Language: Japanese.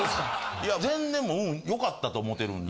いや全然運よかったと思ってるんで。